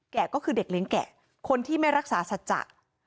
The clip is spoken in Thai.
ก็คือเด็กเลี้ยงแก่คนที่ไม่รักษาสัจจะ